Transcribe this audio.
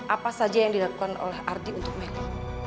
apa saja yang dilakukan oleh ardi untuk meggy